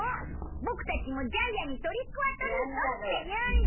ボクたちもジャイアンにトリックオアトリートって言うんだ。